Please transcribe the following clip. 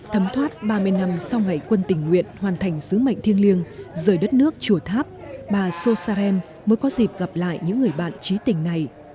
thấm thoát ba mươi năm sau ngày quân tình nguyện hoàn thành sứ mệnh thiêng liêng rời đất nước chùa tháp bà so sarem mới có dịp gặp lại những người bạn trí tình này